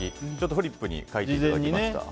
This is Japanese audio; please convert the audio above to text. フリップに書いていただきました。